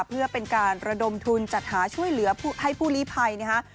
เพื่อเป็นการระดมทุนจัดหาช่วยเหลือผู้ให้ผู้ลีภัยนะฮะ